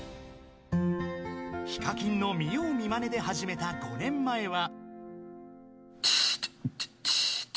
［ＨＩＫＡＫＩＮの見よう見まねで始めた５年前は］